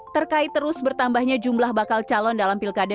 terkait terus bertambahnya jumlah bakal calon dalam pilkada